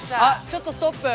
ちょっとストップ。